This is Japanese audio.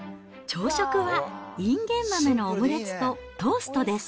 朝食は、いんげん豆のオムレツとトーストです。